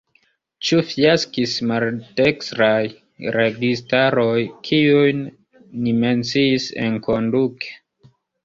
Ĉu fiaskis maldekstraj registaroj, kiujn ni menciis enkonduke?